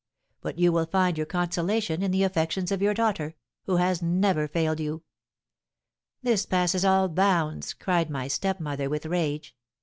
But you will find your consolation in the affections of your daughter, who has never failed you.' "'This passes all bounds!' cried my stepmother, with rage.